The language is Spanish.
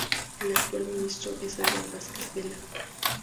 El actual ministro es Édgar Vásquez Vela.